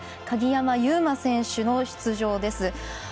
鍵山優真選手の出場です。